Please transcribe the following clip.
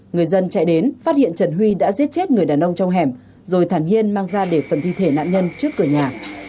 người dân chạy đến phát hiện trần huy đã giết chết người đàn ông trong hẻm rồi thản hiên mang ra để phần thi thể nạn nhân trước cửa nhà